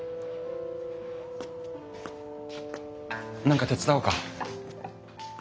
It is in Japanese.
何か手伝おうか？